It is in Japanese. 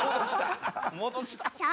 戻した。